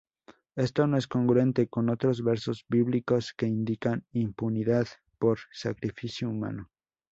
Esto no es congruente con otros versos bíblicos que indican impunidad por sacrificio humano.